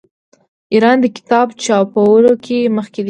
ایران د کتاب چاپولو کې مخکې دی.